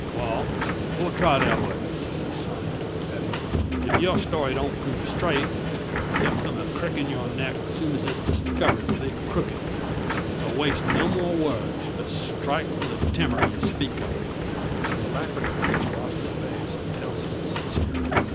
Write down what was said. "Wal, we'll try that way," says Sime, adding: "Ef yer story don't prove strait, there'll come a crik in yur neck, soon's it's diskivered to be crooked. So waste no more words, but strike for the timmer ye speak o'." The alacrity with which Bosley obeys tells he is sincere.